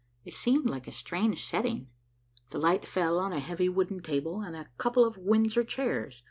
It seemed like a stage setting. The light fell on a heavy wooden table and a couple of Windsor chairs.